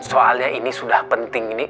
soalnya ini sudah penting ini